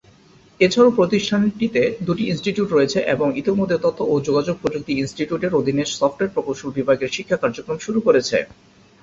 এছাড়াও প্রতিষ্ঠানটিতে দুটি ইন্সটিটিউট রয়েছে এবং ইতিমধ্যে তথ্য ও যোগাযোগ প্রযুক্তি ইন্সটিটিউটের অধিনে সফটওয়্যার প্রকৌশল বিভাগের শিক্ষা কার্যক্রম শুরু করেছে।